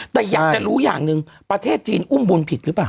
แต่อยากจะรู้อย่างหนึ่งประเทศจีนอุ้มบุญผิดหรือเปล่า